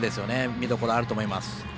見どころあると思います。